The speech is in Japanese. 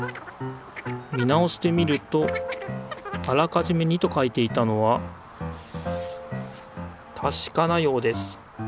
見直してみるとあらかじめ「２」と書いていたのはたしかなようです。